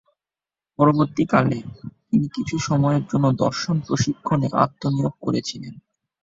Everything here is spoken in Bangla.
পরবর্তীকালে, তিনি কিছু সময়ের জন্য দর্শন প্রশিক্ষণে আত্মনিয়োগ করেছিলেন।